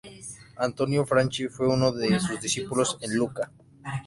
Antonio Franchi fue uno de sus discípulos en Lucca.